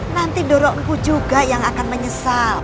nanti doro empu juga yang akan menyesal